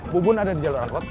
bubun ada di jalur angkot